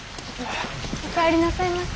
お帰りなさいませ。